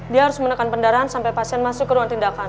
dia harus menekan pendarahan sampai pasien masuk ke ruang tindakan